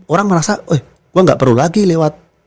orang merasa gue gak perlu lagi lewat